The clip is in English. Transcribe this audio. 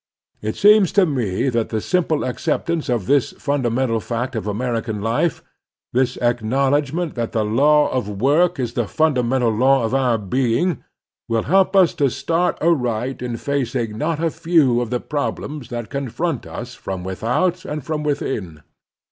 It seems to me that the simple acceptance of this fimdamental fact of American life, this acknowledgment that the law of work is the fundamental law of our being, will help us to start aright in facing not a few of the problems that confront us from without and from within.